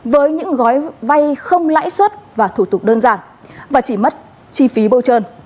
với những gói vay không lãi suất và thủ tục đơn giản và chỉ mất chi phí bôi trơn